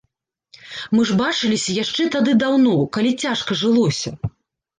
Мы ж бачыліся яшчэ тады даўно, калі цяжка жылося.